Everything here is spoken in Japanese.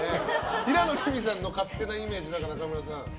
平野レミさんの勝手なイメージを中村さん。